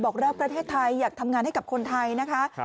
บอกแรกไทยอยากทำงานให้กับคนไทยนะคะ